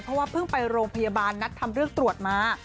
เพราะว่าเพิ่งไปโรงพยาบาลนัดทำเรื่องตรวจมา